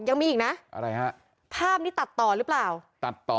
ยังมีอีกนะอะไรฮะภาพนี้ตัดต่อหรือเปล่าตัดต่อ